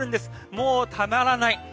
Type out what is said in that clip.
もうたまらない。